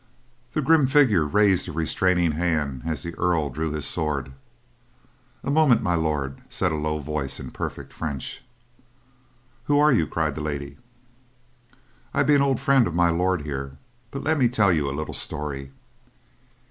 The grim figure raised a restraining hand, as the Earl drew his sword. "A moment, My Lord," said a low voice in perfect French. "Who are you?" cried the lady. "I be an old friend of My Lord, here; but let me tell you a little story.